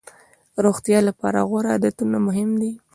روغتیا لپاره غوره عادتونه مهم دي.